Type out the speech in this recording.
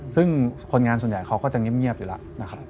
ซึ่งคนงานส่วนใหญ่เขาก็จะเงียบอยู่แล้วนะครับ